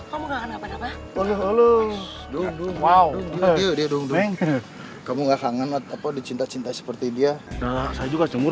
kamu nggak kangen apa apa kamu nggak kangen apa dicinta cinta seperti dia